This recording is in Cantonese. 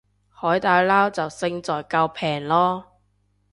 海底撈就勝在夠平囉